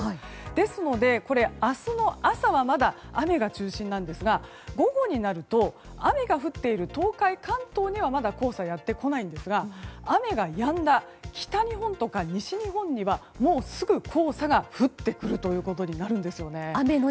ですので、明日の朝はまだ雨が中心なんですが午後になると雨が降っている東海、関東にはまだ黄砂がやってきませんが雨がやんだ北日本とか西日本にはすぐ黄砂が降ってくることになるんですよね。